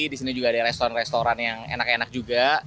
disini juga ada restoran restoran yang enak enak juga